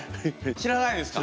知らないですか？